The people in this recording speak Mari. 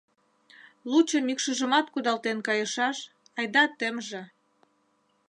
Лучо мӱкшыжымат кудалтен кайышаш, айда темже.